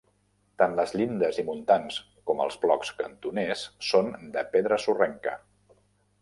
Tant les llindes i muntants com els blocs cantoners són de pedra sorrenca.